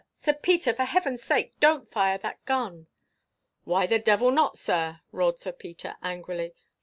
Sir Peter!—For Heaven's sake, don't fire that gun!" "Why the devil not, sir?" roared Sir Peter, angrily.